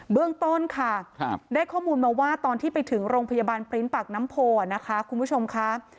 เรื่องต้นค่ะได้ข้อมูลมาว่าตอนที่ไปถึงโรงพยาบาลปริ้นต์ปากน้ำโพนะคะคุณผู้ชมค่ะ